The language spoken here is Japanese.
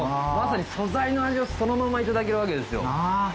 正に素材の味をそのままいただけるわけですよなあ？